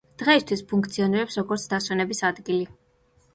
დღეისთვის ფუნქციონირებს, როგორც დასვენების ადგილი.